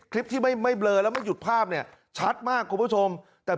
คลิปที่ไม่เบลอแล้วไม่หยุดภาพเนี่ยชัดมากคุณผู้ชมแต่